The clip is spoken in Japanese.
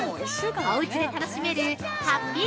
おうちで楽しめるハッピー